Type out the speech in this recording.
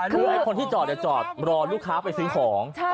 คือไอ้คนที่จอดจอดรอลูกค้าไปซื้อของ